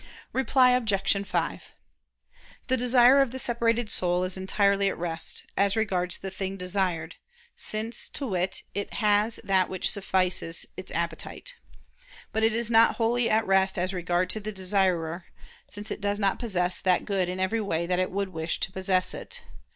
Reply Obj. 5: The desire of the separated soul is entirely at rest, as regards the thing desired; since, to wit, it has that which suffices its appetite. But it is not wholly at rest, as regards the desirer, since it does not possess that good in every way that it would wish to possess it.